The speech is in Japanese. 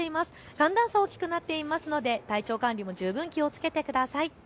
寒暖差、大きくなっていますので体調管理も十分気をつけてください。